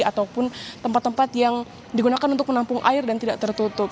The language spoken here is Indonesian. ataupun tempat tempat yang digunakan untuk menampung air dan tidak tertutup